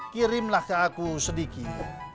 kirimlah ke aku sedikit